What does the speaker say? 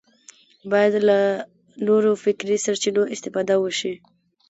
باید له نورو فکري سرچینو استفاده وشي